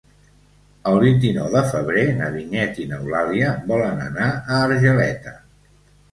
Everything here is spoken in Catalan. El vint-i-nou de febrer na Vinyet i n'Eulàlia volen anar a Argeleta.